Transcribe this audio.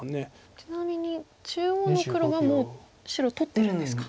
ちなみに中央の黒はもう白取ってるんですか。